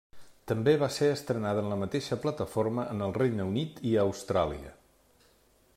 També, va ser estrenada en la mateixa plataforma en el Regne Unit i a Austràlia.